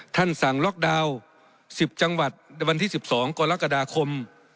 สั่งล็อกดาวน์๑๐จังหวัดในวันที่๑๒กรกฎาคม